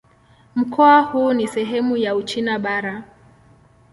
Mkoa huu ni sehemu ya Uchina Bara.